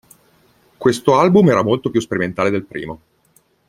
Questo album era molto più sperimentale del primo.